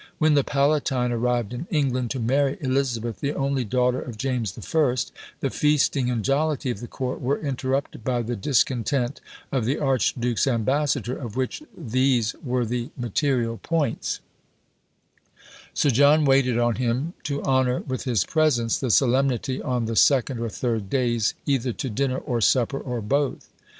When the Palatine arrived in England to marry Elizabeth, the only daughter of James the First, "the feasting and jollity" of the court were interrupted by the discontent of the archduke's ambassador, of which these were the material points: Sir John waited on him, to honour with his presence the solemnity on the second or third days, either to dinner or supper, or both.